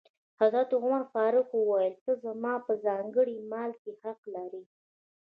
حضرت عمر فاروق وویل: ته زما په ځانګړي مال کې حق لرې.